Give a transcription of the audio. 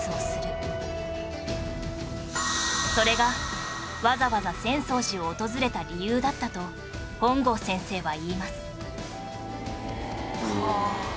それがわざわざ浅草寺を訪れた理由だったと本郷先生は言いますはあ。